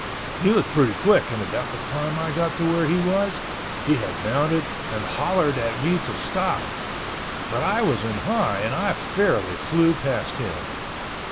He was pretty quick and about the time I got to where he was, he had mounted and hollered at me to stop—but I was in high and I fairly flew past him.